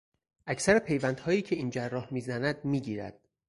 اکثر پیوندهایی که این جراح میزند میگیرد.